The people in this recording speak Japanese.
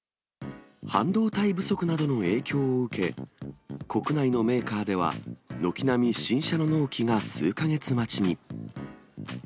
半導体不足などの影響を受け、国内のメーカーでは、軒並み新車の納期が数か月待ちに。